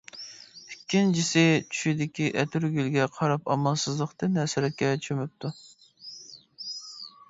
ئىككىنچىسى چۈشىدىكى ئەتىرگۈلگە قاراپ ئامالسىزلىقتىن ھەسرەتكە چۆمۈپتۇ.